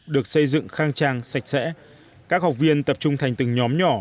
được xây dựng khang trang sạch sẽ các học viên tập trung thành từng nhóm nhỏ